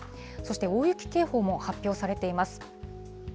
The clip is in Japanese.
そして大雪警報も発表されています。